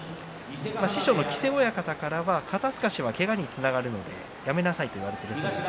木瀬親方からは肩すかしはけがにつながるのでやめなさいと言われたそうです。